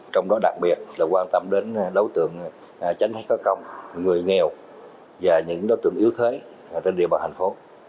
trong đó đặc biệt là quan tâm đến đối tượng chính sách có công người nghèo và những đối tượng yếu thế trên địa bàn thành phố